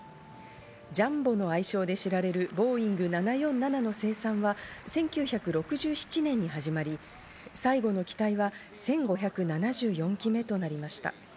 ジャンボの愛称で知られるボーイング７４７の生産は１９６７年に始まり、最後の機体は１５７４機目となりました。